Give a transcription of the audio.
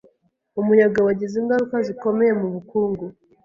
Umuyaga wagize ingaruka zikomeye mubukungu.